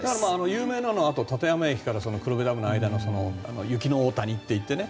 有名なのは立山駅から黒部ダムの間の雪の大谷っていってね。